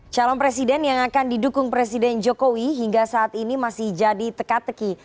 calon presiden yang akan didukung presiden jokowi hingga saat ini masih jadi teka teki